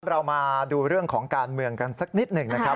เรามาดูเรื่องของการเมืองกันสักนิดหนึ่งนะครับ